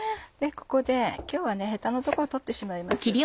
ここで今日はヘタのとこを取ってしまいます。